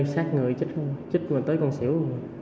sát người chích mình tới con xỉu